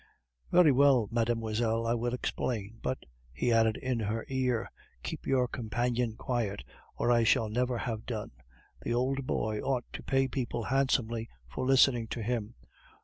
"Very well, mademoiselle, I will explain but," he added in her ear, "keep your companion quiet, or I shall never have done. The old boy ought to pay people handsomely for listening to him.